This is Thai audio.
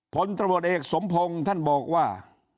ผลตรวจเอกสมพงศ์ท่านบอกว่า